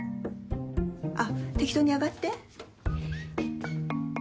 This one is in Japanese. あっ適当に上がって。